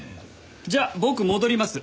じゃあ僕戻ります。